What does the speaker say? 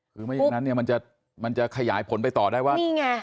คือไม่อย่างนั้นเนี่ยมันจะขยายผลไปต่อได้ว่านี่ไง